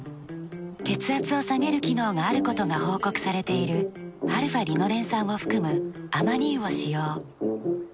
血圧を下げる機能があることが報告されているαーリノレン酸を含むアマニ油を使用。